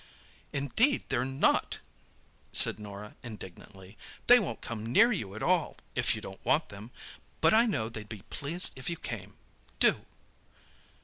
"Indeed, they're not!" said Norah indignantly. "They won't come near you at all, if you don't want them—but I know they'd be pleased if you came. Do!"